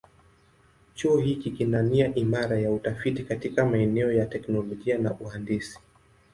Chuo hiki kina nia imara ya utafiti katika maeneo ya teknolojia na uhandisi.